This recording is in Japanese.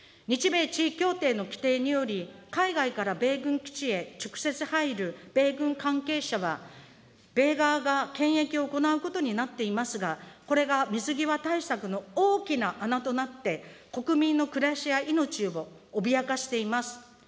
日米地位協定の規定により、海外から米軍基地へ直接入る米軍関係者は、米側が検疫を行うことになっていますが、これが水際対策の大きな穴となって、国民の暮らしや命を脅かしています。